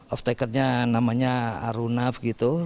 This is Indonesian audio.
off takernya namanya arunaf gitu